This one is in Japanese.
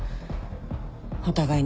お互いに。